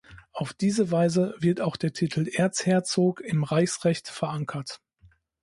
Auf diese Weise wird auch der Titel Erzherzog im Reichsrecht verankert.